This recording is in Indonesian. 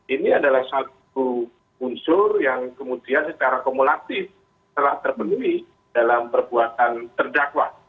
ini adalah satu unsur yang kemudian secara kumulatif telah terpenuhi dalam perbuatan terdakwa